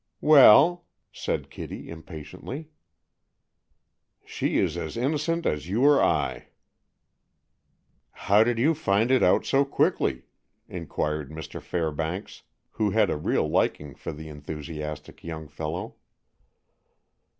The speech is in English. "Well?" said Kitty impatiently. "She is as innocent as you or I." "How did you find it out so quickly?" inquired Mr. Fairbanks, who had a real liking for the enthusiastic young fellow.